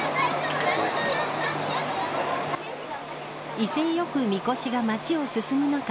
威勢よくみこしが街を進む中